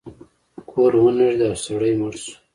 کور ونړید او سړی مړ شو.